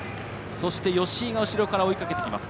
そして、吉居が後ろから追いかけてきます。